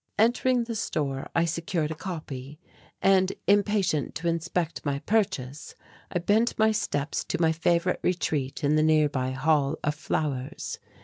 Entering the store I secured a copy and, impatient to inspect my purchase, I bent my steps to my favourite retreat in the nearby Hall of Flowers.